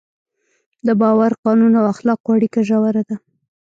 د باور، قانون او اخلاقو اړیکه ژوره ده.